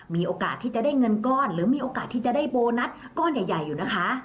มีโอกาสที่จะได้เงินก้อนหรือมีโอกาสที่จะได้โบนัสก้อนใหญ่อยู่นะคะ